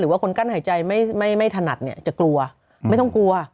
ว่าคนกั้นหายใจไม่ถนัดเนี่ยจะกลัวไม่ต้องกลัว